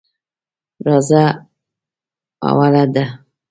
راځه اوله ده.